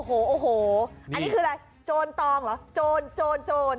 โอ้โหโอ้โหอันนี้คืออะไรโจรตองเหรอโจรโจรโจร